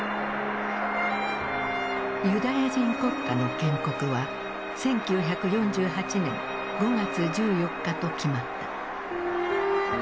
ユダヤ人国家の建国は１９４８年５月１４日と決まった。